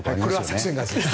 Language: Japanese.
作戦勝ちです。